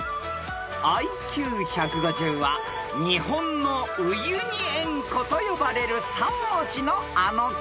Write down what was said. ［ＩＱ１５０は日本のウユニ塩湖と呼ばれる３文字のあの県］